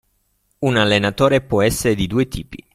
Un allenatore può essere di due tipi.